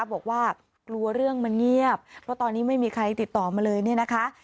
บอกว่ากลัวเรื่องมันเงียบเพราะตอนนี้ไม่มีใครติดต่อมาเลยเนี่ยนะคะ